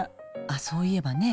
あっ、そういえばね